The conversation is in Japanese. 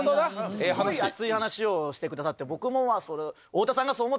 すごい熱い話をしてくださって僕も。